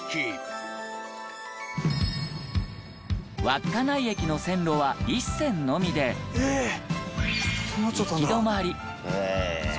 稚内駅の線路は１線のみで行き止まり。